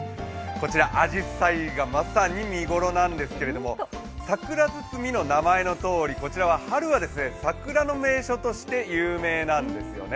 こちら、あじさいがまさに見頃なんですけれども、桜堤の名前のとおり、こちら春は桜の名所として有名なんですよね。